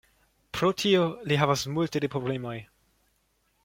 Pro tio li havas multe de problemoj.